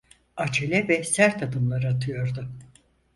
Acele ve sert adımlar atıyordu.